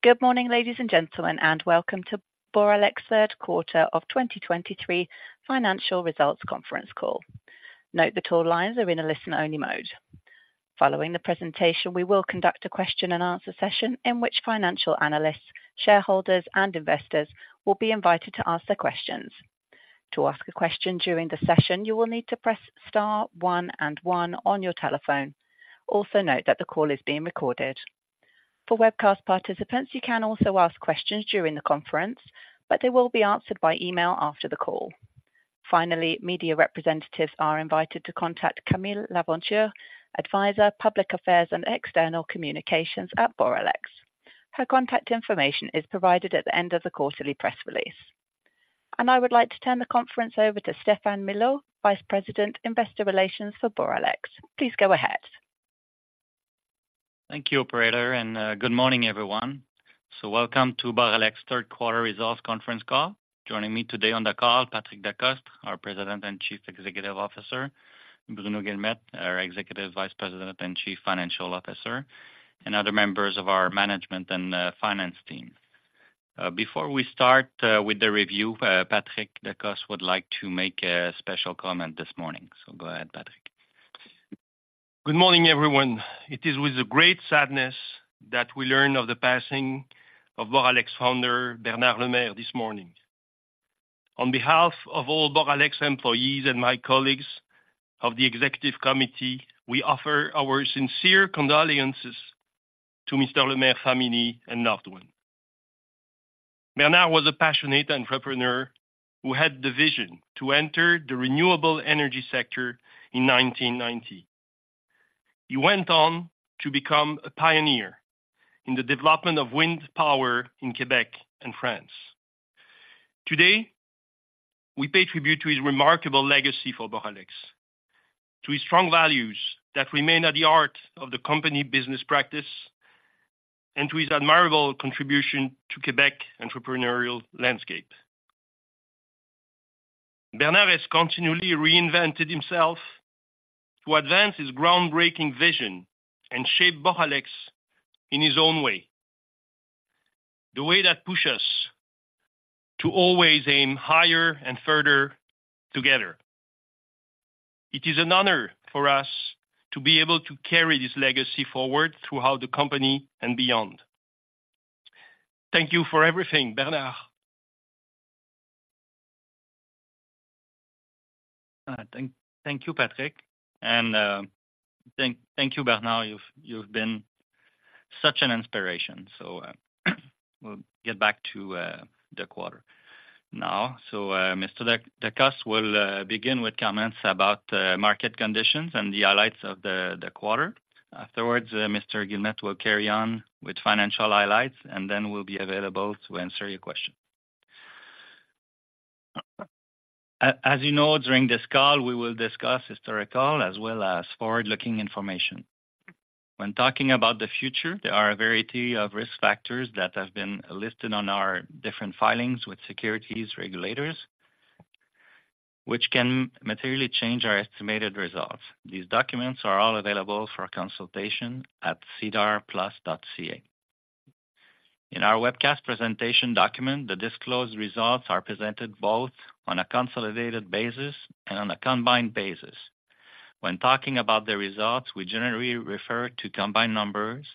Good morning, ladies and gentlemen, and welcome to Boralex Third Quarter of 2023 Financial Results Conference Call. Note that all lines are in a listen-only mode. Following the presentation, we will conduct a question-and-answer session in which financial analysts, shareholders, and investors will be invited to ask their questions. To ask a question during the session, you will need to press star one and one on your telephone. Also, note that the call is being recorded. For webcast participants, you can also ask questions during the conference, but they will be answered by email after the call. Finally, media representatives are invited to contact Camille Laventure, Advisor, Public Affairs and External Communications at Boralex. Her contact information is provided at the end of the quarterly press release. I would like to turn the conference over to Stéphane Milot, Vice President, Investor Relations for Boralex. Please go ahead. Thank you, operator, and, good morning, everyone. Welcome to Boralex third quarter results conference call. Joining me today on the call, Patrick Decostre, our President and Chief Executive Officer, Bruno Guilmette, our Executive Vice President and Chief Financial Officer, and other members of our management and, finance team. Before we start, with the review, Patrick Decostre, would like to make a special comment this morning. Go ahead, Patrick. Good morning, everyone. It is with great sadness that we learn of the passing of Boralex founder, Bernard Lemaire, this morning. On behalf of all Boralex employees and my colleagues of the executive committee, we offer our sincere condolences to Mr. Lemaire's family and loved ones. Bernard was a passionate entrepreneur who had the vision to enter the renewable energy sector in 1990. He went on to become a pioneer in the development of wind power in Quebec and France. Today, we pay tribute to his remarkable legacy for Boralex, to his strong values that remain at the heart of the company business practice, and to his admirable contribution to Quebec entrepreneurial landscape. Bernard has continually reinvented himself to advance his groundbreaking vision and shape Boralex in his own way, the way that pushes us to always aim higher and further together. It is an honor for us to be able to carry this legacy forward throughout the company and beyond. Thank you for everything, Bernard. Thank you, Patrick, and thank you, Bernard. You've been such an inspiration. So, we'll get back to the quarter now. So, Mr. Decostre will begin with comments about market conditions and the highlights of the quarter. Afterwards, Mr. Guilmette will carry on with financial highlights, and then we'll be available to answer your questions. As you know, during this call, we will discuss historical as well as forward-looking information. When talking about the future, there are a variety of risk factors that have been listed on our different filings with securities regulators, which can materially change our estimated results. These documents are all available for consultation at sedarplus.ca. In our webcast presentation document, the disclosed results are presented both on a consolidated basis and on a combined basis. When talking about the results, we generally refer to combined numbers,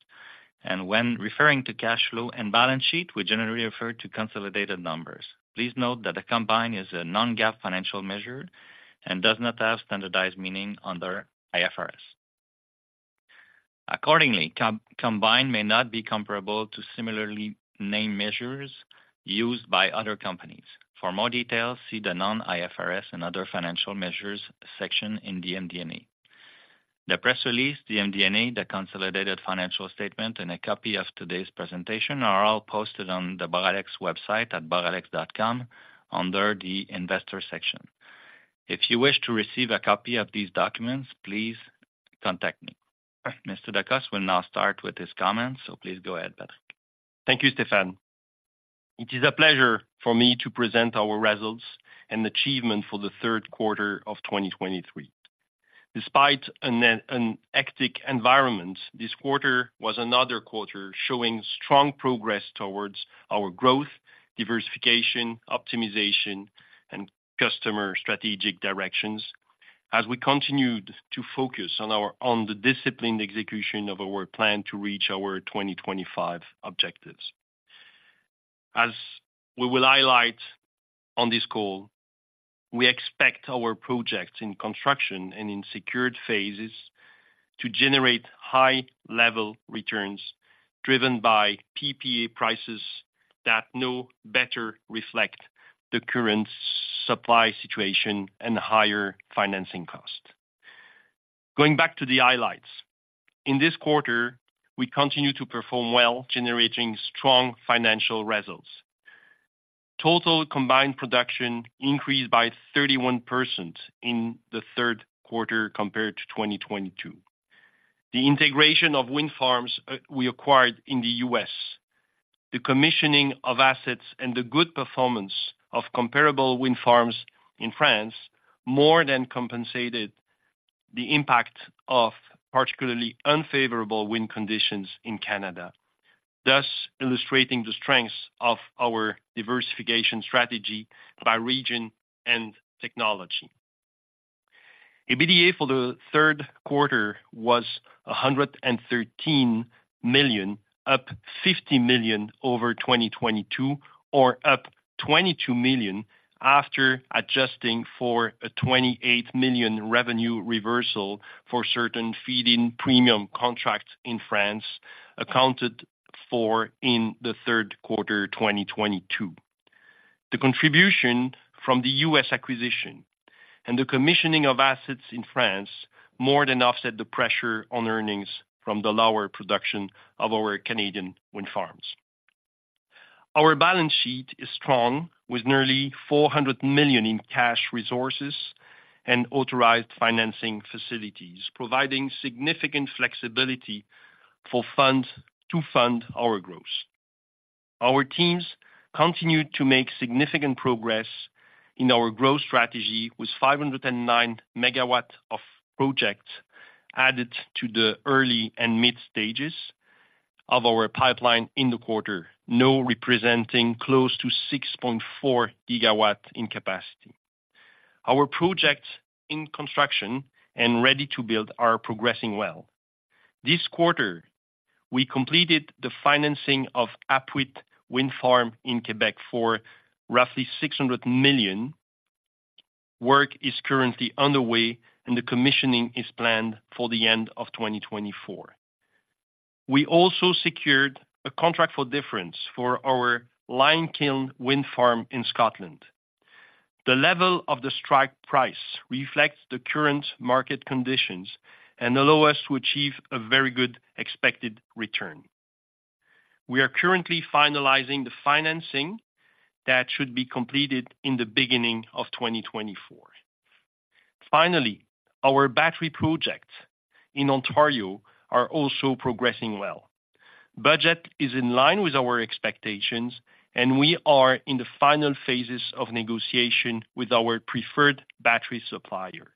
and when referring to cash flow and balance sheet, we generally refer to consolidated numbers. Please note that the combined is a non-GAAP financial measure and does not have standardized meaning under IFRS. Accordingly, combined may not be comparable to similarly named measures used by other companies. For more details, see the non-IFRS and other financial measures section in the MD&A. The press release, the MD&A, the consolidated financial statement, and a copy of today's presentation are all posted on the Boralex website at boralex.com, under the Investors section. If you wish to receive a copy of these documents, please contact me. Mr. Decostre will now start with his comments, so please go ahead, Patrick. Thank you, Stéphane. It is a pleasure for me to present our results and achievement for the third quarter of 2023. Despite a hectic environment, this quarter was another quarter showing strong progress towards our growth, diversification, optimization, and customer strategic directions as we continued to focus on the disciplined execution of our plan to reach our 2025 objectives. As we will highlight on this call, we expect our projects in construction and in secured phases to generate high-level returns, driven by PPA prices that now better reflect the current supply situation and higher financing costs. Going back to the highlights. In this quarter, we continued to perform well, generating strong financial results. Total combined production increased by 31% in the third quarter compared to 2022. The integration of wind farms we acquired in the U.S., the commissioning of assets, and the good performance of comparable wind farms in France more than compensated the impact of particularly unfavorable wind conditions in Canada, thus illustrating the strengths of our diversification strategy by region and technology. EBITDA for the third quarter was 113 million, up 50 million over 2022, or up 22 million after adjusting for a 28 million revenue reversal for certain feed-in premium contracts in France, accounted for in the third quarter, 2022. The contribution from the U.S. acquisition and the commissioning of assets in France more than offset the pressure on earnings from the lower production of our Canadian wind farms. Our balance sheet is strong, with nearly 400 million in cash resources and authorized financing facilities, providing significant flexibility to fund our growth. Our teams continued to make significant progress in our growth strategy, with 509 MW of projects added to the early and mid stages of our pipeline in the quarter, now representing close to 6.4 GW in capacity. Our projects in construction and ready to build are progressing well. This quarter, we completed the financing of Apuiat Wind Farm in Quebec for roughly 600 million. Work is currently underway and the commissioning is planned for the end of 2024. We also secured a contract for difference for our Limekiln Wind Farm in Scotland. The level of the strike price reflects the current market conditions and allow us to achieve a very good expected return. We are currently finalizing the financing that should be completed in the beginning of 2024. Finally, our battery projects in Ontario are also progressing well. Budget is in line with our expectations, and we are in the final phases of negotiation with our preferred battery supplier.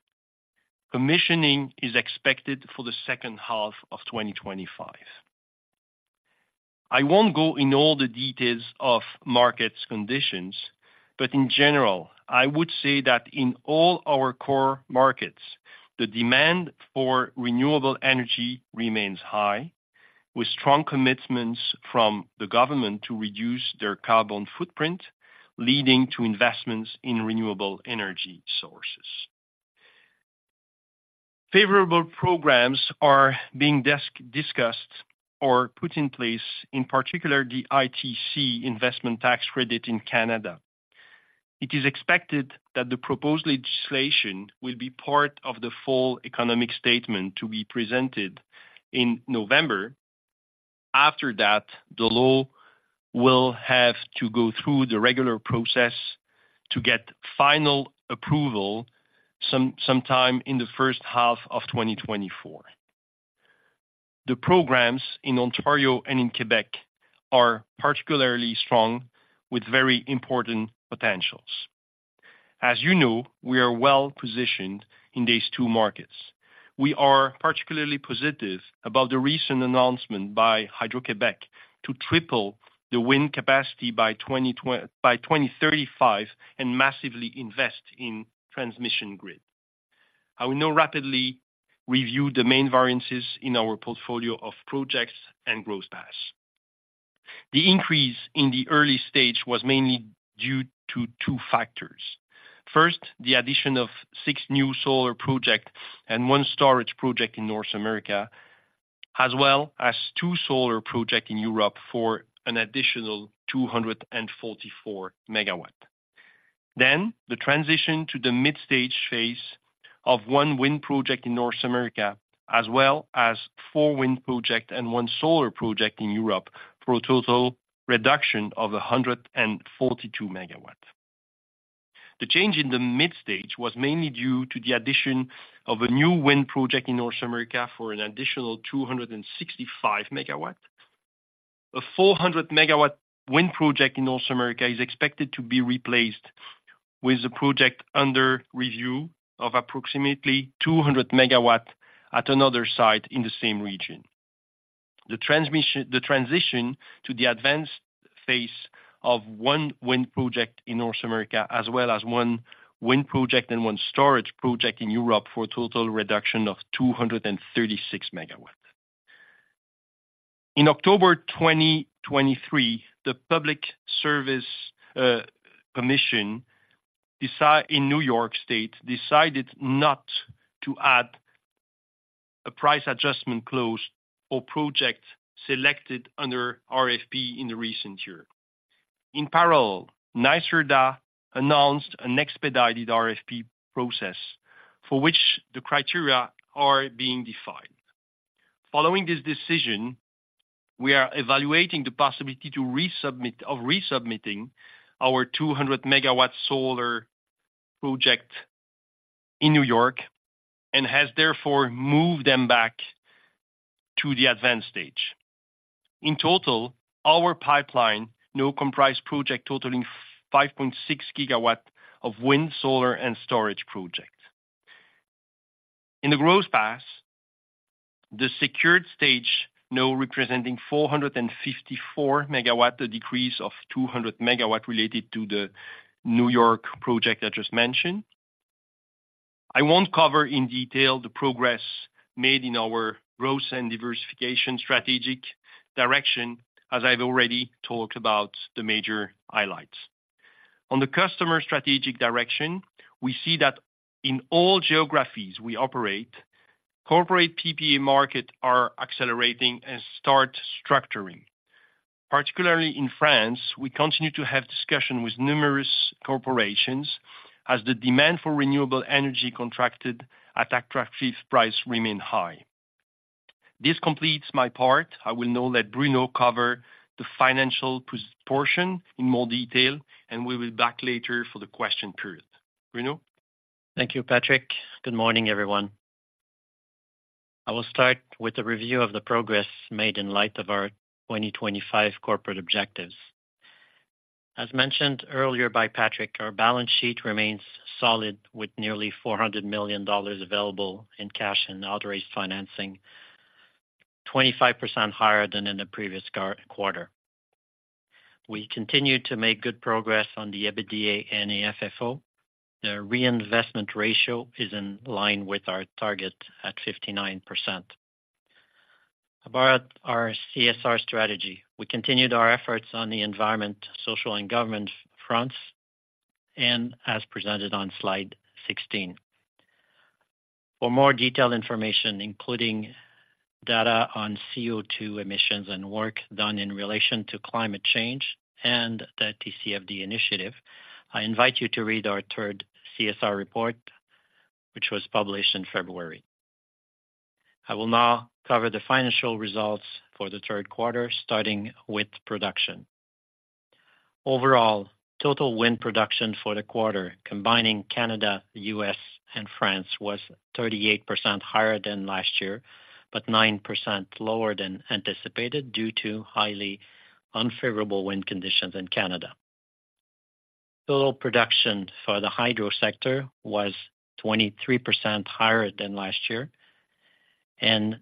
Commissioning is expected for the second half of 2025. I won't go into all the details of market conditions, but in general, I would say that in all our core markets, the demand for renewable energy remains high, with strong commitments from the government to reduce their carbon footprint, leading to investments in renewable energy sources. Favorable programs are being discussed or put in place, in particular, the ITC investment tax credit in Canada. It is expected that the proposed legislation will be part of the Fall Economic Statement to be presented in November. After that, the law will have to go through the regular process to get final approval sometime in the first half of 2024. The programs in Ontario and in Quebec are particularly strong, with very important potentials. As you know, we are well positioned in these two markets. We are particularly positive about the recent announcement by Hydro-Québec to triple the wind capacity by 2035, and massively invest in transmission grid. I will now rapidly review the main variances in our portfolio of projects and growth paths. The increase in the early stage was mainly due to two factors. First, the addition of six new solar projects and one storage project in North America, as well as two solar projects in Europe for an additional 244 MW. Then, the transition to the midstage phase of one wind project in North America, as well as four wind projects and one solar project in Europe, for a total reduction of 142 MW. The change in the mid stage was mainly due to the addition of a new wind project in North America for an additional 265 MW. A 400 MW wind project in North America is expected to be replaced with a project under review of approximately 200 MW at another site in the same region. The transition to the advanced phase of one wind project in North America, as well as one wind project and one storage project in Europe, for a total reduction of 236 MW. In October 2023, the Public Service Commission in New York State decided not to add a price adjustment clause or project selected under RFP in the recent year. In parallel, NYSERDA announced an expedited RFP process for which the criteria are being defined. Following this decision, we are evaluating the possibility of resubmitting our 200 MW solar project in New York and has therefore moved them back to the advanced stage. In total, our pipeline now comprise project totaling 5.6 GW of wind, solar and storage project. In the growth path, the secured stage now representing 454 MW, a decrease of 200 MW related to the New York project I just mentioned. I won't cover in detail the progress made in our growth and diversification strategic direction, as I've already talked about the major highlights. On the customer strategic direction, we see that in all geographies we operate, corporate PPA market are accelerating and start structuring. Particularly in France, we continue to have discussion with numerous corporations as the demand for renewable energy contracted at attractive price remain high. This completes my part. I will now let Bruno cover the financial portion in more detail, and we will be back later for the question period. Bruno? Thank you, Patrick. Good morning, everyone. I will start with a review of the progress made in light of our 2025 corporate objectives. As mentioned earlier by Patrick, our balance sheet remains solid, with nearly 400 million dollars available in cash and undrawn financing, 25% higher than in the previous quarter. We continue to make good progress on the EBITDA and AFFO. The reinvestment ratio is in line with our target at 59%. About our CSR strategy, we continued our efforts on the environmental, social, and governance fronts, and as presented on slide 16. For more detailed information, including data on CO2 emissions and work done in relation to climate change and the TCFD initiative, I invite you to read our third CSR report, which was published in February. I will now cover the financial results for the third quarter, starting with production. Overall, total Wind production for the quarter, combining Canada, U.S., and France, was 38% higher than last year, but 9% lower than anticipated, due to highly unfavorable wind conditions in Canada. Total production for the Hydro sector was 23% higher than last year and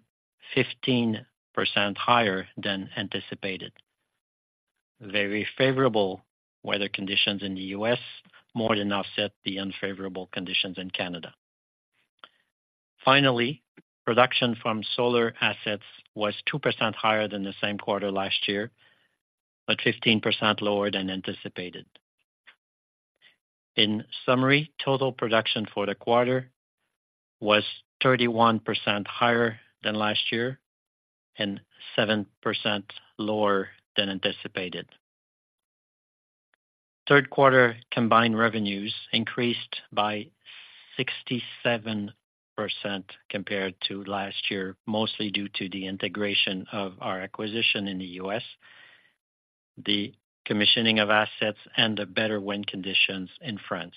15% higher than anticipated. Very favorable weather conditions in the U.S. more than offset the unfavorable conditions in Canada. Finally, production from Solar assets was 2% higher than the same quarter last year, but 15% lower than anticipated. In summary, total production for the quarter was 31% higher than last year and 7% lower than anticipated. Third quarter combined revenues increased by 67% compared to last year, mostly due to the integration of our acquisition in the U.S., the commissioning of assets, and the better wind conditions in France.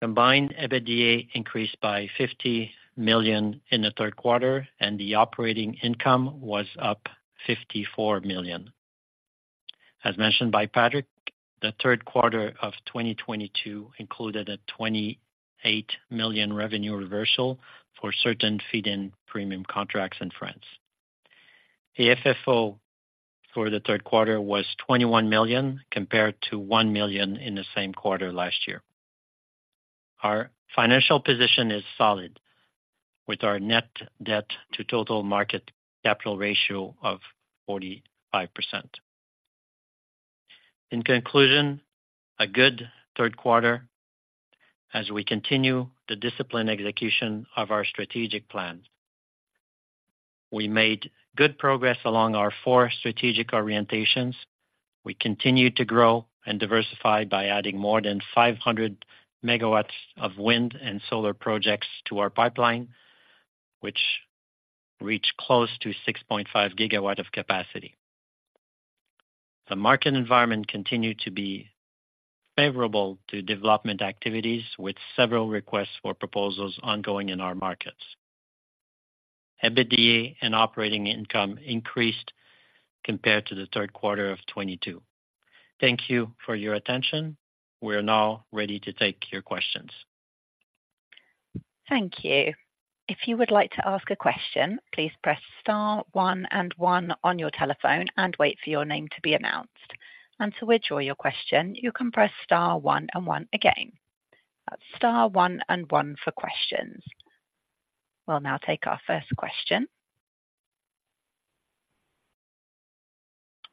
Combined, EBITDA increased by 50 million in the third quarter, and the operating income was up 54 million. As mentioned by Patrick, the third quarter of 2022 included a 28 million revenue reversal for certain feed-in premium contracts in France. The AFFO for the third quarter was 21 million, compared to 1 million in the same quarter last year. Our financial position is solid, with our net debt to total market capital ratio of 45%. In conclusion, a good third quarter as we continue the disciplined execution of our strategic plan. We made good progress along our four strategic orientations. We continued to grow and diversify by adding more than 500 MW of wind and solar projects to our pipeline, which reach close to 6.5 GW of capacity. The market environment continued to be favorable to development activities, with several requests for proposals ongoing in our markets. EBITDA and operating income increased compared to the third quarter of 2022. Thank you for your attention. We are now ready to take your questions. Thank you. If you would like to ask a question, please press star one and one on your telephone and wait for your name to be announced. To withdraw your question, you can press star one and one again. That's star one and one for questions. We'll now take our first question.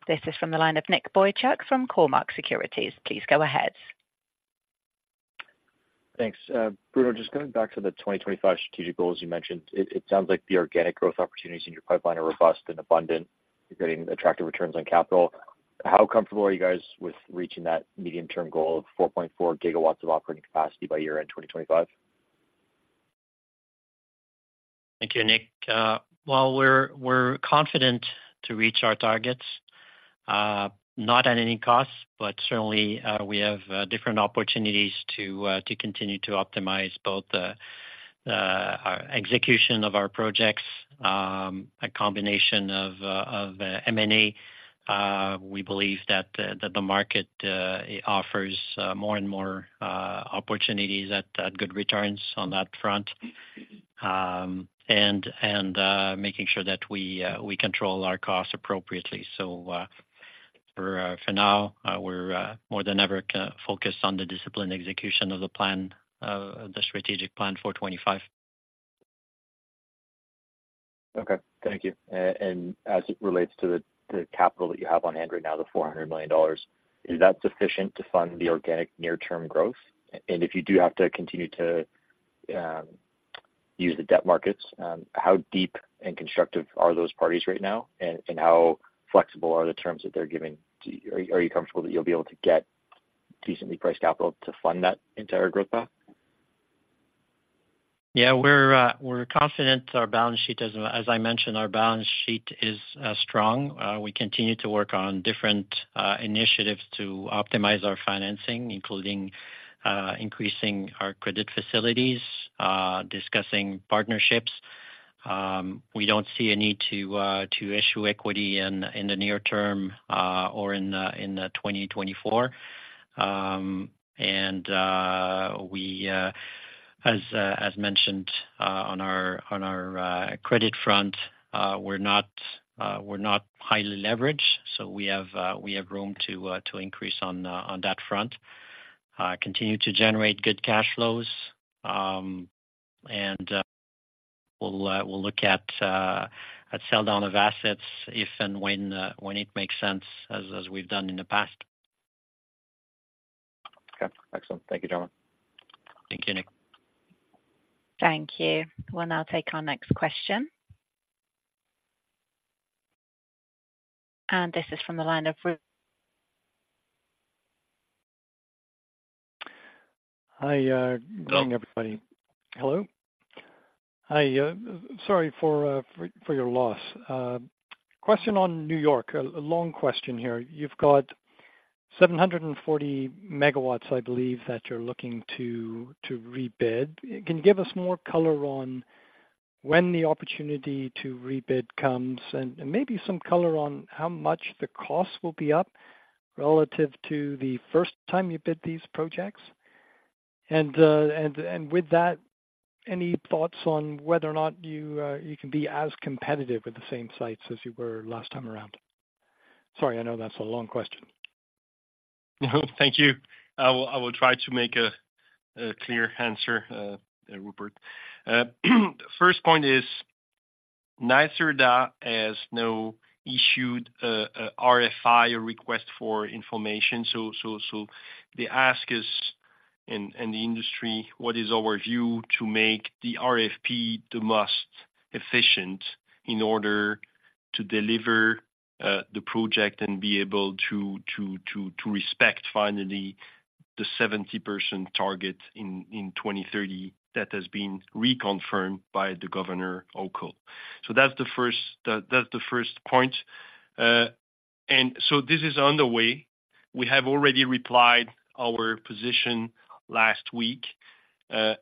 This is from the line of Nick Boychuk from Cormark Securities. Please go ahead. Thanks. Bruno, just going back to the 2025 strategic goals you mentioned, it sounds like the organic growth opportunities in your pipeline are robust and abundant. You're getting attractive returns on capital. How comfortable are you guys with reaching that medium-term goal of 4.4 GW of operating capacity by year-end 2025? Thank you, Nick. While we're confident to reach our targets-... Not at any cost, but certainly, we have different opportunities to continue to optimize both our execution of our projects, a combination of M&A and making sure that we control our costs appropriately. So, for now, we're more than ever focused on the disciplined execution of the plan, the strategic plan for 2025. Okay, thank you. And as it relates to the, the capital that you have on hand right now, the 400 million dollars, is that sufficient to fund the organic near-term growth? And if you do have to continue to use the debt markets, how deep and constructive are those parties right now? And how flexible are the terms that they're giving to you? Are you comfortable that you'll be able to get decently priced capital to fund that entire growth path? Yeah, we're confident our balance sheet... As I mentioned, our balance sheet is strong. We continue to work on different initiatives to optimize our financing, including increasing our credit facilities, discussing partnerships. We don't see a need to issue equity in the near term, or in 2024. And, as mentioned, on our credit front, we're not highly leveraged, so we have room to increase on that front. Continue to generate good cash flows, and we'll look at sell down of assets if and when it makes sense, as we've done in the past. Okay, excellent. Thank you, gentlemen. Thank you, Nick. Thank you. We'll now take our next question. This is from the line of Rupert. Hi, uh- Hello. Good morning, everybody. Hello? Hi, sorry for your loss. Question on New York, a long question here. You've got 740 MW, I believe, that you're looking to rebid. Can you give us more color on when the opportunity to rebid comes? And maybe some color on how much the cost will be up relative to the first time you bid these projects. And with that, any thoughts on whether or not you can be as competitive with the same sites as you were last time around? Sorry, I know that's a long question. No, thank you. I will, I will try to make a, a clear answer, Rupert. First point is, NYSERDA has no issued a RFI or request for information. So, so, so the ask is, in, in the industry, what is our view to make the RFP the most efficient in order to deliver the project and be able to, to, to, to respect finally the 70% target in 2030, that has been reconfirmed by the Governor Hochul. So that's the first, that's the first point. And so this is underway. We have already replied our position last week, and,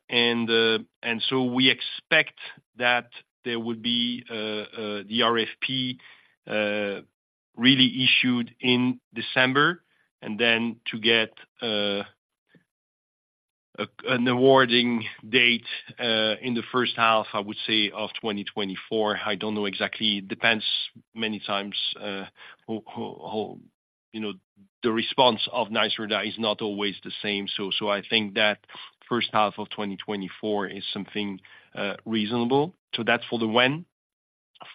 and so we expect that there would be the RFP really issued in December, and then to get a, an awarding date in the first half, I would say, of 2024. I don't know exactly. It depends many times. You know, the response of NYSERDA is not always the same, so I think that first half of 2024 is something reasonable. So that's for the when.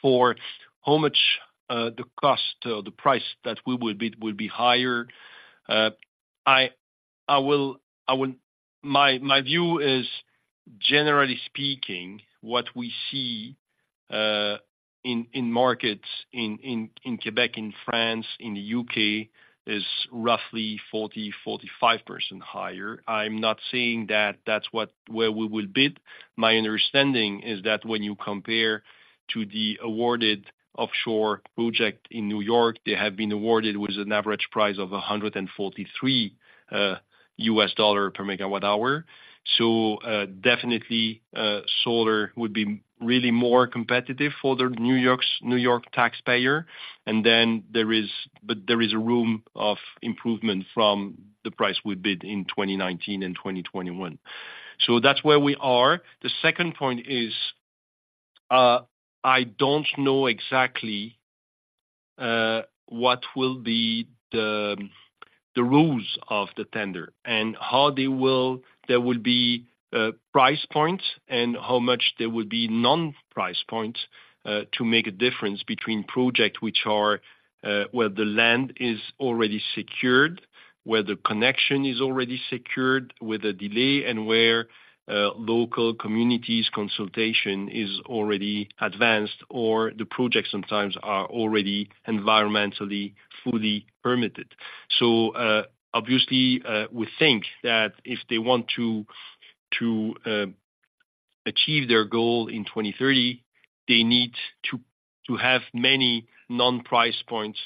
For how much, the cost or the price that we would be would be higher, I will. My view is, generally speaking, what we see in markets in Quebec, in France, in the U.K., is roughly 40%-45% higher. I'm not saying that that's what, where we will bid. My understanding is that when you compare to the awarded offshore project in New York, they have been awarded with an average price of $143 per MWh. So, definitely, solar would be really more competitive for the New York taxpayer. But there is a room of improvement from the price we bid in 2019 and 2021. So that's where we are. The second point is, I don't know exactly what will be the rules of the tender and how there will be price points, and how much there will be non-price points, to make a difference between projects which are where the land is already secured, where the connection is already secured with a delay, and where local communities consultation is already advanced, or the projects sometimes are already environmentally fully permitted. So, obviously, we think that if they want to to... Achieve their goal in 2030, they need to have many non-price points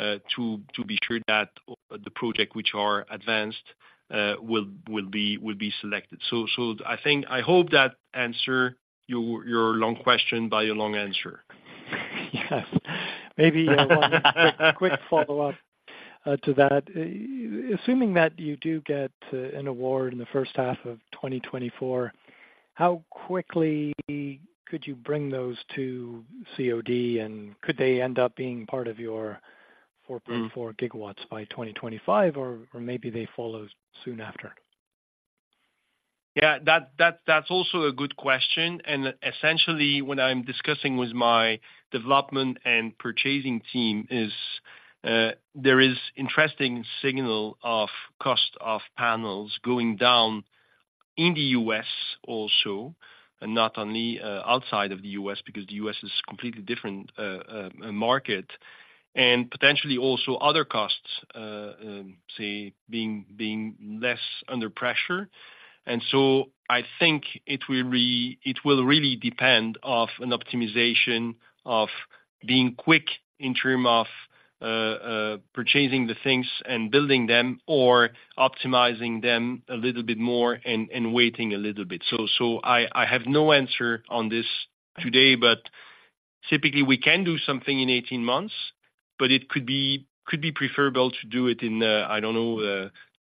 to be sure that the project which are advanced will be selected. So I think I hope that answer your long question by a long answer. Yes. Maybe a quick follow-up to that. Assuming that you do get an award in the first half of 2024, how quickly could you bring those to COD, and could they end up being part of your 4.4 GW by 2025, or, or maybe they follow soon after? Yeah, that's also a good question. And essentially, what I'm discussing with my development and purchasing team is, there is interesting signal of cost of panels going down in the U.S. also, and not only, outside of the U.S., because the U.S. is completely different, market, and potentially also other costs, say, being less under pressure. And so I think it will really depend of an optimization of being quick in term of, purchasing the things and building them, or optimizing them a little bit more and waiting a little bit. I have no answer on this today, but typically, we can do something in 18 months, but it could be preferable to do it in, I don't know,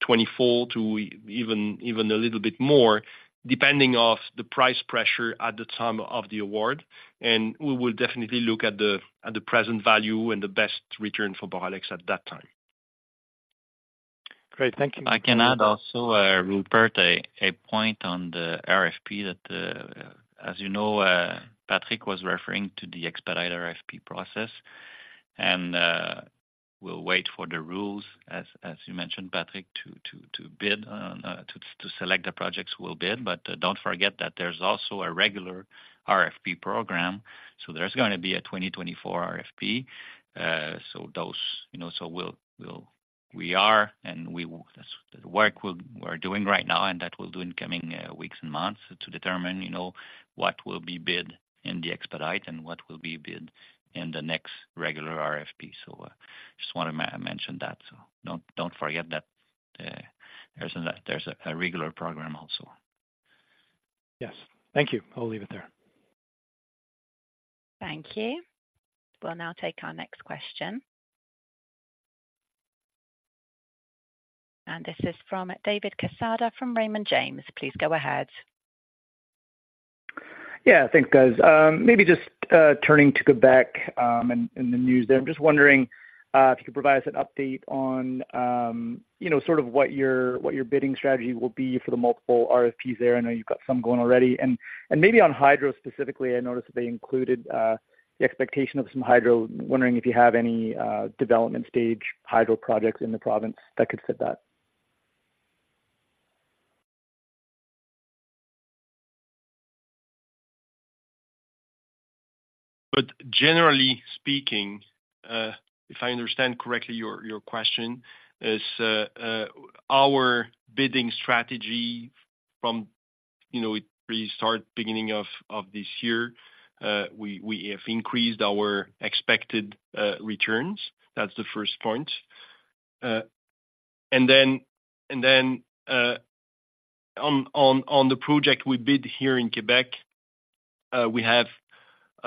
2024 to even a little bit more, depending on the price pressure at the time of the award. And we will definitely look at the present value and the best return for Boralex at that time. Great. Thank you. I can add also, Rupert, a point on the RFP that, as you know, Patrick was referring to the expedited RFP process, and, we'll wait for the rules, as you mentioned, Patrick, to bid on, to select the projects we'll bid. But don't forget that there's also a regular RFP program, so there's gonna be a 2024 RFP. So those, you know, so we are and we will, that's the work we're doing right now, and that we'll do in coming weeks and months to determine, you know, what will be bid in the expedite and what will be bid in the next regular RFP. So, just wanted to mention that, so don't forget that, there's a regular program also. Yes. Thank you. I'll leave it there. Thank you. We'll now take our next question. This is from David Quezada, from Raymond James. Please go ahead. Yeah, thanks, guys. Maybe just turning to Quebec, and the news there. I'm just wondering if you could provide us an update on, you know, sort of what your bidding strategy will be for the multiple RFPs there. I know you've got some going already. And maybe on Hydro specifically, I noticed that they included the expectation of some hydro. Wondering if you have any development stage Hydro projects in the province that could fit that. But generally speaking, if I understand correctly, your question is our bidding strategy from, you know, we restart beginning of this year, we have increased our expected returns. That's the first point. And then, on the project we bid here in Quebec, we have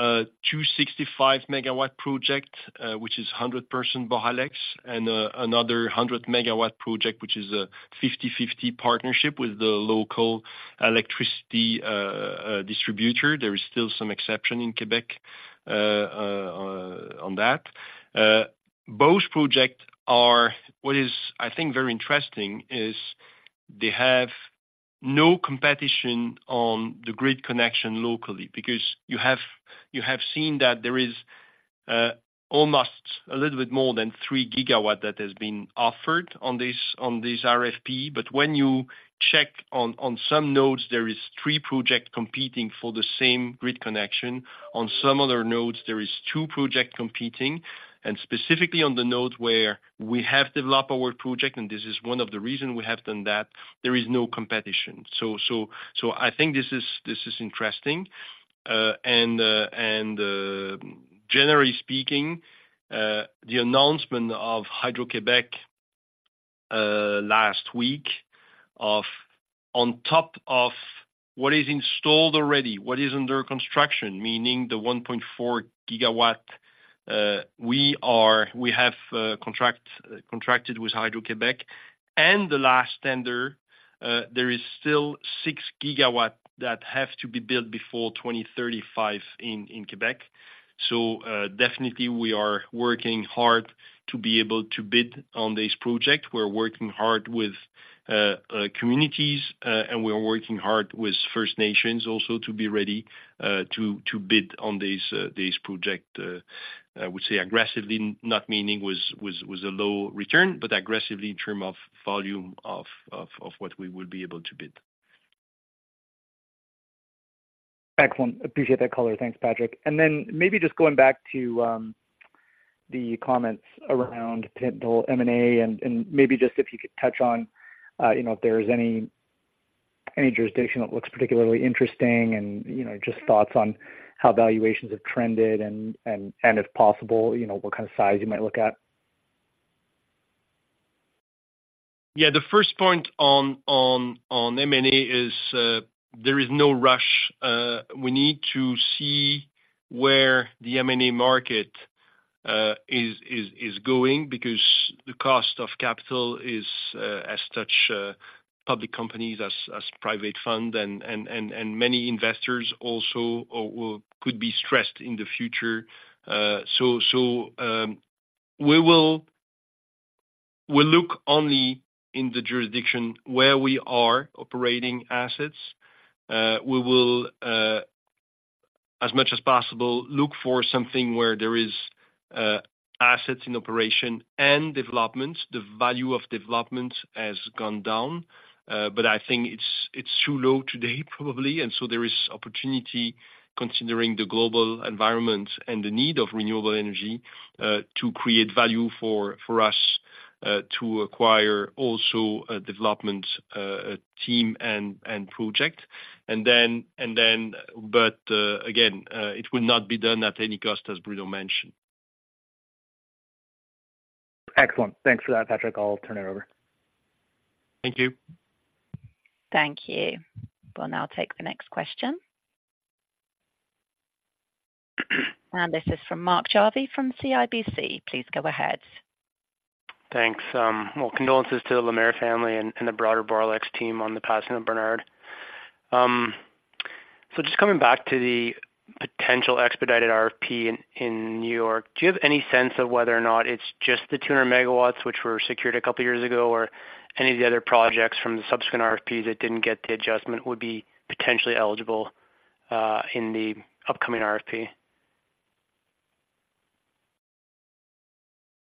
a 265 MW project, which is 100% Boralex and another 100 MW project, which is a 50/50 partnership with the local electricity distributor. There is still some exception in Quebec on that. Both projects are... What I think is very interesting is they have no competition on the grid connection locally, because you have seen that there is almost a little bit more than 3 GW that has been offered on this RFP. But when you check on some nodes, there is three projects competing for the same grid connection. On some other nodes, there is two projects competing, and specifically on the nodes where we have developed our project, and this is one of the reasons we have done that, there is no competition. So I think this is interesting. And generally speaking, the announcement of Hydro-Québec last week, of on top of what is installed already, what is under construction, meaning the 1.4 GW, we have contracted with Hydro-Québec and the last tender, there is still 6 GW that have to be built before 2035 in Quebec. So definitely we are working hard to be able to bid on this project. We're working hard with communities, and we are working hard with First Nations also to be ready to bid on this project. I would say aggressively, not meaning with a low return, but aggressively in term of volume of what we would be able to bid. Excellent. Appreciate that color. Thanks, Patrick. And then maybe just going back to the comments around potential M&A, and maybe just if you could touch on, you know, if there is any jurisdiction that looks particularly interesting and, you know, just thoughts on how valuations have trended and, if possible, you know, what kind of size you might look at. Yeah, the first point on M&A is, there is no rush. We need to see where the M&A market is going, because the cost of capital is as such, public companies as private fund and many investors also or could be stressed in the future. So, we will look only in the jurisdiction where we are operating assets. We will, as much as possible, look for something where there is assets in operation and development. The value of development has gone down, but I think it's too low today probably, and so there is opportunity, considering the global environment and the need of renewable energy, to create value for us, to acquire also a development team and project. Again, it will not be done at any cost, as Bruno mentioned. Excellent. Thanks for that, Patrick. I'll turn it over. Thank you. Thank you. We'll now take the next question. This is from Mark Jarvi, from CIBC. Please go ahead. Thanks. Well, condolences to the Lemaire family and, and the broader Boralex team on the passing of Bernard. So just coming back to the potential expedited RFP in, in New York, do you have any sense of whether or not it's just the 200 MW, which were secured a couple of years ago, or any of the other projects from the subsequent RFPs that didn't get the adjustment would be potentially eligible, in the upcoming RFP?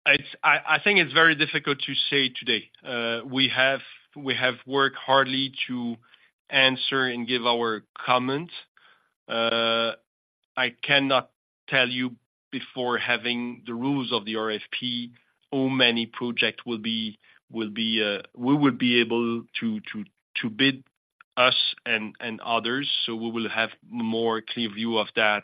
I think it's very difficult to say today. We have worked hard to answer and give our comments. I cannot tell you before having the rules of the RFP, how many projects we will be able to bid us and others. So we will have more clear view of that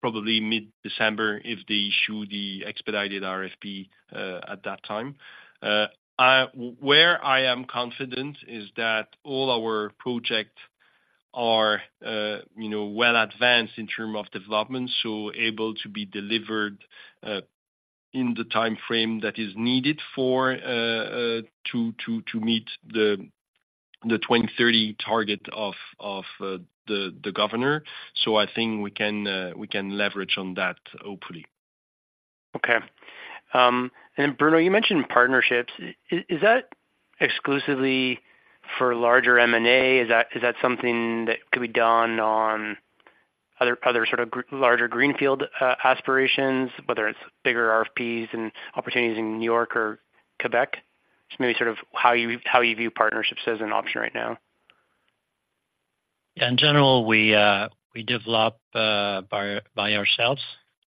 probably mid-December, if they issue the expedited RFP at that time. Where I am confident is that all our projects are, you know, well advanced in terms of development, so able to be delivered in the time frame that is needed to meet the 2030 target of the governor. So I think we can leverage on that, hopefully. Okay. And Bruno, you mentioned partnerships. Is that exclusively for larger M&A? Is that something that could be done on other sort of larger greenfield aspirations, whether it's bigger RFPs and opportunities in New York or Quebec? Just maybe sort of how you view partnerships as an option right now. Yeah, in general, we, we develop, by, by ourselves.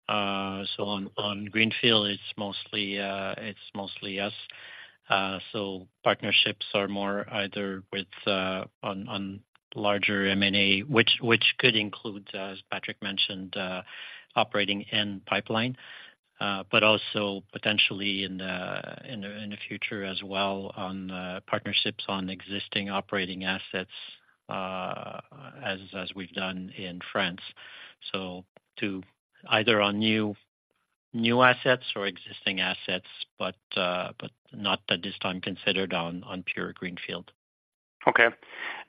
So on, on Greenfield, it's mostly, it's mostly us. So partnerships are more either with, on, on larger M&A, which could include, as Patrick mentioned, operating in pipeline, but also potentially in the future as well, on, partnerships on existing operating assets, as we've done in France. So to either on new assets or existing assets, but, but not at this time, considered on pure greenfield. Okay.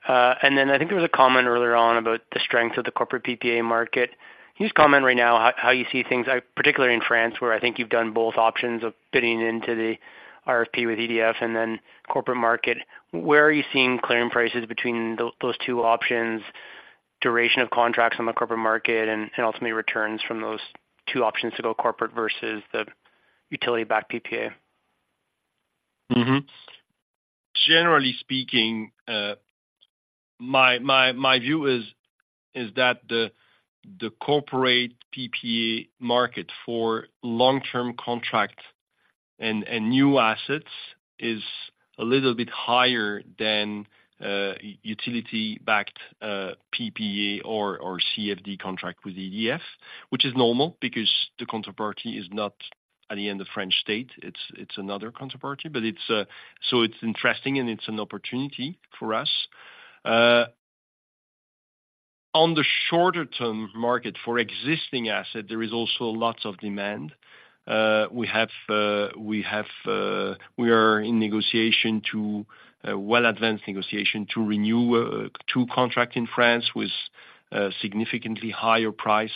And then I think there was a comment earlier on about the strength of the corporate PPA market. Can you just comment right now, how you see things, particularly in France, where I think you've done both options of bidding into the RFP with EDF and then corporate market. Where are you seeing clearing prices between those two options, duration of contracts on the corporate market, and ultimately returns from those two options to go corporate versus the utility-backed PPA? Generally speaking, my view is that the corporate PPA market for long-term contract and new assets is a little bit higher than utility-backed PPA or CFD contract with EDF, which is normal because the counterparty is not, at the end, the French state. It's another counterparty, but it's so it's interesting, and it's an opportunity for us. On the shorter-term market for existing asset, there is also lots of demand. We are in a well-advanced negotiation to renew two contract in France with significantly higher price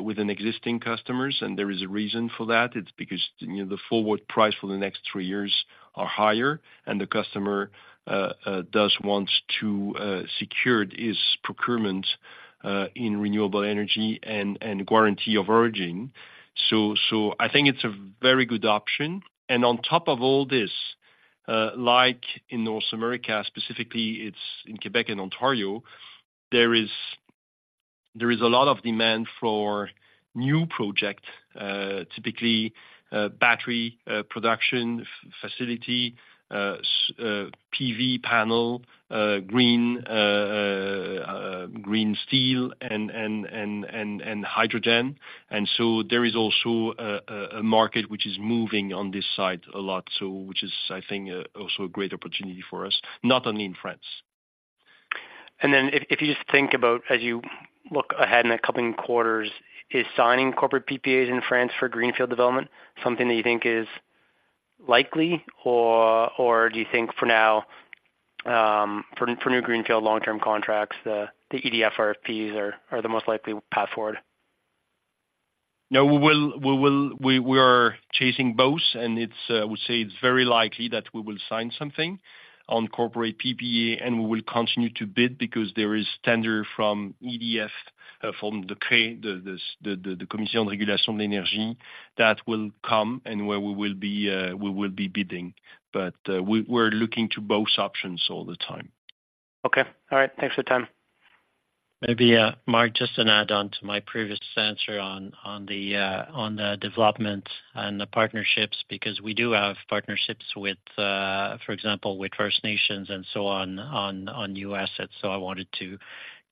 with an existing customers, and there is a reason for that. It's because, you know, the forward price for the next three years are higher, and the customer does want to secure its procurement in renewable energy and guarantee of origin. So I think it's a very good option. And on top of all this, like in North America, specifically, it's in Quebec and Ontario, there is a lot of demand for new project, typically, battery production facility, PV panel, green steel, and hydrogen. And so there is also a market which is moving on this side a lot, so which is, I think, also a great opportunity for us, not only in France. And then if you just think about, as you look ahead in the coming quarters, is signing corporate PPAs in France for greenfield development something that you think is likely, or do you think for now, for new greenfield long-term contracts, the EDF RFPs are the most likely path forward? No, we will—we are chasing both, and it's, I would say it's very likely that we will sign something on corporate PPA, and we will continue to bid because there is tender from EDF, from the CRE, the Commission de Régulation de l'Énergie, that will come and where we will be, we will be bidding. But, we're looking to both options all the time. Okay. All right. Thanks for the time. Maybe, Mark, just to add on to my previous answer on the development and the partnerships, because we do have partnerships with, for example, with First Nations and so on, on new assets. So I wanted to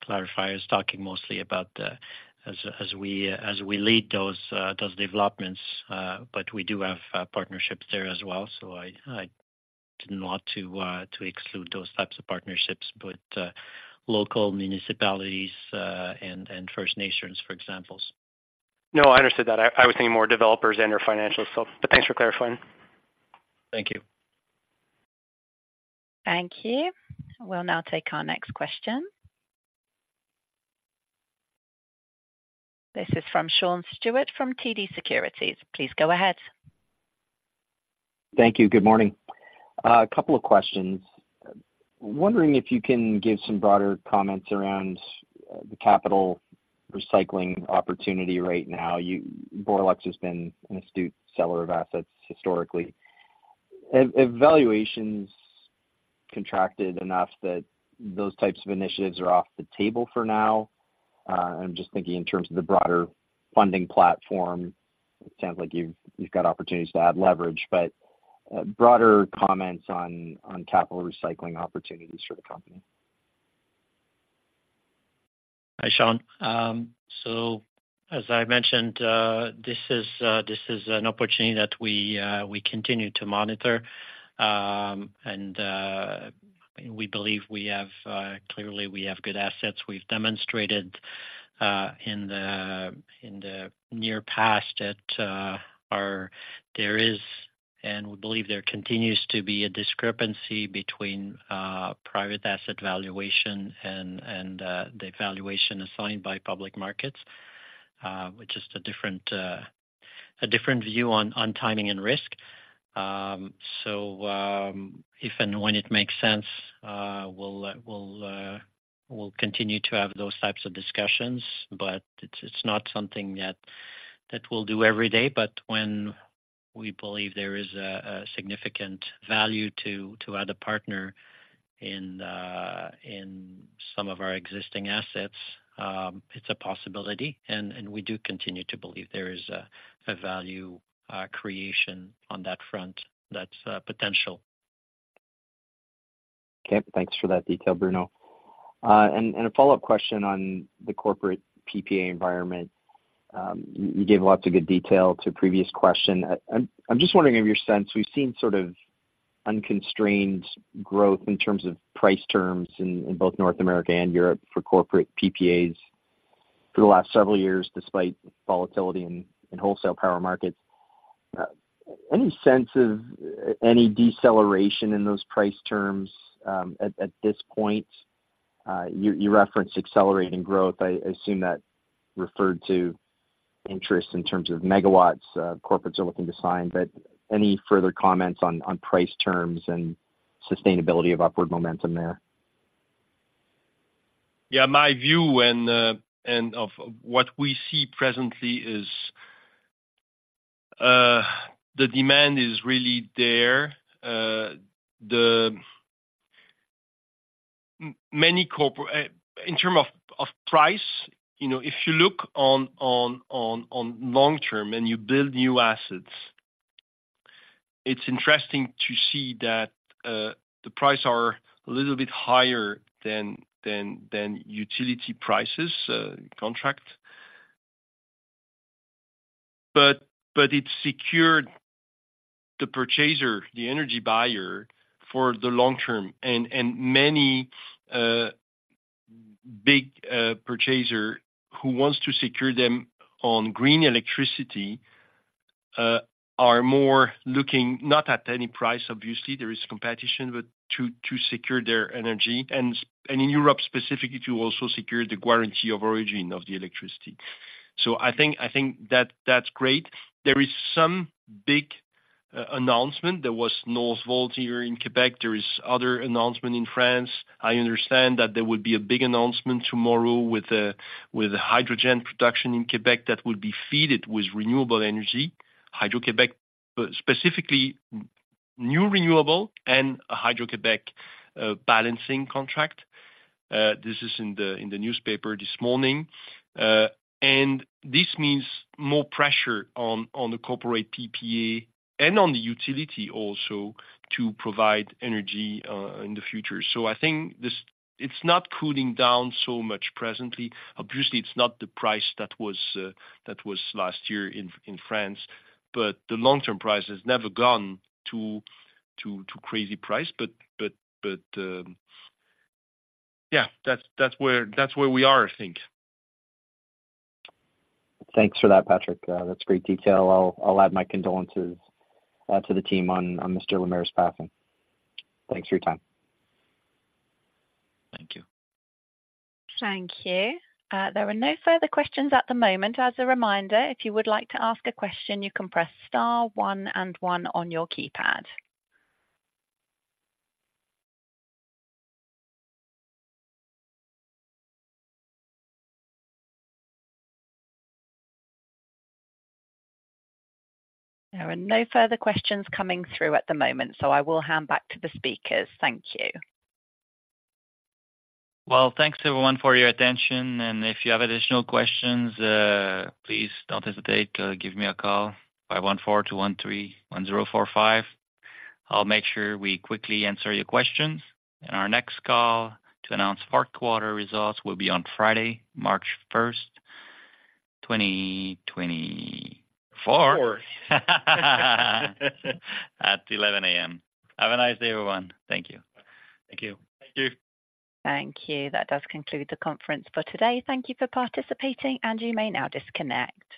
clarify. I was talking mostly about as we lead those developments, but we do have partnerships there as well. So I didn't want to exclude those types of partnerships with local municipalities and First Nations, for examples. No, I understood that. I, I was thinking more developers and/or financials, so but thanks for clarifying. Thank you. Thank you. We'll now take our next question. This is from Sean Steuart, from TD Securities. Please go ahead. Thank you. Good morning. A couple of questions. Wondering if you can give some broader comments around the capital recycling opportunity right now. Boralex has been an astute seller of assets historically. Have valuations contracted enough that those types of initiatives are off the table for now? I'm just thinking in terms of the broader funding platform. It sounds like you've got opportunities to add leverage, but broader comments on capital recycling opportunities for the company. Hi, Sean. So as I mentioned, this is an opportunity that we continue to monitor. And we believe we have, clearly, good assets. We've demonstrated in the near past that there is, and we believe there continues to be a discrepancy between private asset valuation and the valuation assigned by public markets, which is a different view on timing and risk. So, if and when it makes sense, we'll continue to have those types of discussions, but it's not something that we'll do every day. But when we believe there is a significant value to add a partner in some of our existing assets, it's a possibility, and we do continue to believe there is a value creation on that front, that's potential. Okay. Thanks for that detail, Bruno. A follow-up question on the corporate PPA environment. You gave lots of good detail to a previous question. I'm just wondering of your sense, we've seen sort of unconstrained growth in terms of price terms in both North America and Europe for corporate PPAs for the last several years, despite volatility in wholesale power markets. Any sense of any deceleration in those price terms at this point? You referenced accelerating growth. I assume that referred to interest in terms of megawatts corporates are looking to sign. But any further comments on price terms and sustainability of upward momentum there? Yeah, my view and of what we see presently is the demand is really there. The many corporate-- In terms of price, you know, if you look on long term and you build new assets, it's interesting to see that the prices are a little bit higher than utility prices contract. But it secured the purchaser, the energy buyer for the long term, and many big purchasers who want to secure them on green electricity are more looking, not at any price, obviously, there is competition, but to secure their energy, and in Europe, specifically to also secure the guarantee of origin of the electricity. So I think that that's great. There is some big announcement. There was Northvolt here in Quebec. There's another announcement in France. I understand that there would be a big announcement tomorrow with a hydrogen production in Quebec that would be fed with renewable energy. Hydro-Québec, specifically, new renewable and a Hydro-Québec balancing contract. This is in the newspaper this morning. And this means more pressure on the corporate PPA and on the utility also to provide energy in the future. So I think this—it's not cooling down so much presently. Obviously, it's not the price that was that was last year in France, but the long-term price has never gone to crazy price. But yeah, that's where we are, I think. Thanks for that, Patrick. That's great detail. I'll add my condolences to the team on Mr. Lemaire's passing. Thanks for your time. Thank you. Thank you. There are no further questions at the moment. As a reminder, if you would like to ask a question, you can press star one and one on your keypad. There are no further questions coming through at the moment, so I will hand back to the speakers. Thank you. Well, thanks, everyone, for your attention, and if you have additional questions, please don't hesitate to give me a call, 514-213-1045. I'll make sure we quickly answer your questions. Our next call to announce fourth quarter results will be on Friday, March 1st, 2024, at 11:00 A.M. Have a nice day, everyone. Thank you. Thank you. Thank you. Thank you. That does conclude the conference for today. Thank you for participating, and you may now disconnect.